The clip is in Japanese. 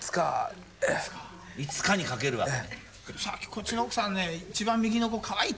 いつかにかけるわけ？